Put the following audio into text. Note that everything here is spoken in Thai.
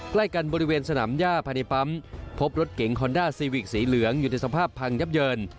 ใกล้กันบริเวณสนามย่าภายในปั๊มพบรถเก๋งฮอนด้าซีวิกสีเหลืองอยู่ในสภาพพังยับเยิน